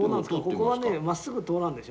ここはねまっすぐ通らんでしょ？